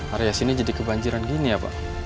area sini jadi kebanjiran gini ya pak